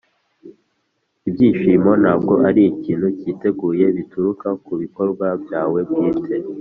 “ibyishimo ntabwo ari ikintu cyiteguye, bituruka ku bikorwa byawe bwite. ”